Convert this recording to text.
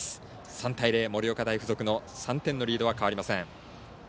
３対０、盛岡大付属の３点のリードは変わりません。